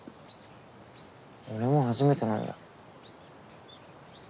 俺も初めてなんだよ。